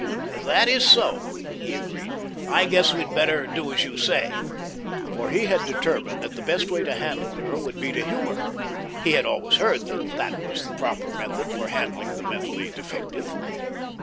"That is so," he agreed; "I guess we had better do as you say," for he had determined that the best way to handle her would be to humor her—he had always heard that that was the proper method for handling the mentally defective.